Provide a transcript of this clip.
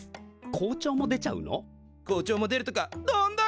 校長も出るとかどんだけ！